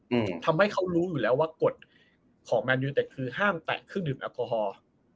อืมทำให้เขารู้อยู่แล้วว่ากฎของแมนยูเต็ดคือห้ามแตะเครื่องดื่มแอลกอฮอล์